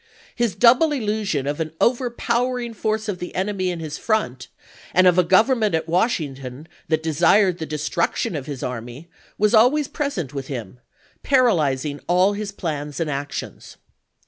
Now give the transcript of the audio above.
His double illusion of an overpower ing force of the enemy in his front, and of a Gov ernment at Washington that desired the destruction of his army, was always present with him, paralyz ing all his plans and actions.